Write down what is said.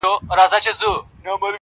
• چي ته مزاج د سپيني آیینې لرې که نه,